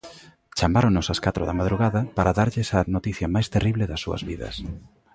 Chamáronos ás catro da madrugada para darlles a noticia máis terrible das súas vidas.